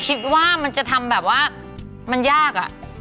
คิดว่ามันจะทำแบบว่ามันยากอะ